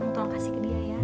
kamu tolong kasih ke dia ya